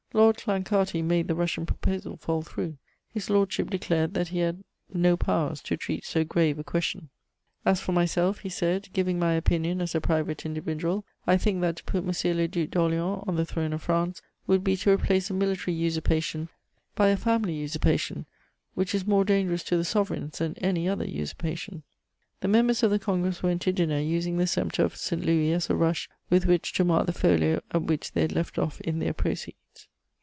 Lord Clancarty made the Russian proposal fall through; His Lordship declared that he had no powers to treat so grave a question: "As for myself," he said, "giving my opinion as a private individual, I think that to put M. le Duc d'Orléans on the throne of France would be to replace a military usurpation by a family usurpation, which is more dangerous to the sovereigns than any other usurpation." [Sidenote: At the Congress of Vienna.] The members of the Congress went to dinner, using the sceptre of St. Louis as a rush with which to mark the folio at which they had left off in their protocols.